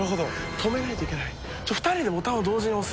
止めないといけない。